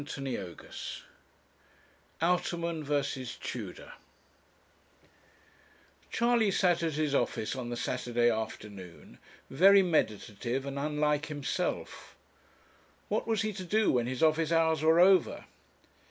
CHAPTER XXVIII OUTERMAN v TUDOR Charley sat at his office on the Saturday afternoon, very meditative and unlike himself. What was he to do when his office hours were over?